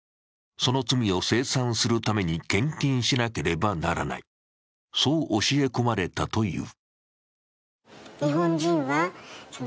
その罪を清算するために献金しなければならない、そう教え込まれたという。